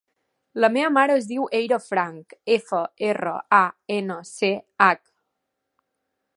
La meva mare es diu Eira Franch: efa, erra, a, ena, ce, hac.